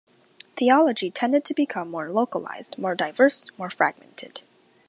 Theology tended to become more localised, more diverse, more fragmented.